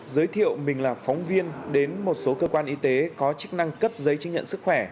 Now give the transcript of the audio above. giới thiệu mình là phóng viên đến một số cơ quan y tế có chức năng cấp giấy chứng nhận sức khỏe